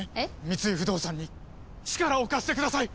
三井不動産に力を貸してください！